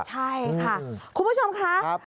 ใช่ค่ะคุณผู้ชมค่ะ